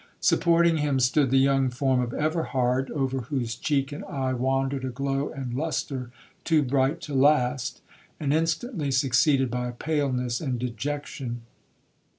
Supporting him stood the young form of Everhard, over whose cheek and eye wandered a glow and lustre too bright to last, and instantly succeeded by paleness and dejection.